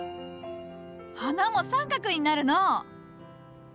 花も三角になるのう。